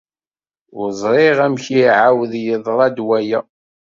Ur ẓriɣ amek i iɛawed yeḍra-d waya.